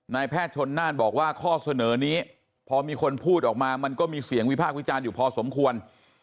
แพทย์ชนน่านบอกว่าข้อเสนอนี้พอมีคนพูดออกมามันก็มีเสียงวิพากษ์วิจารณ์อยู่พอสมควร